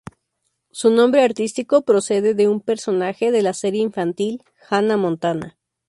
Su nombre artístico procede de un personaje de la serie infantil Hannah Montana.